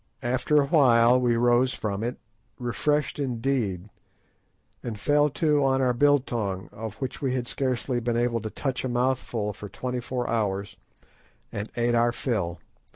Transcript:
After a while we rose from it, refreshed indeed, and fell to on our "biltong," of which we had scarcely been able to touch a mouthful for twenty four hours, and ate our fill.